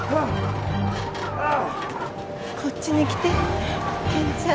こっちに来て健ちゃん。